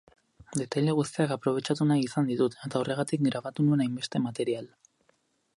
Detaile guztiak aprobetxatu nahi izan ditut, eta horregatik grabatu nuen hainbeste material.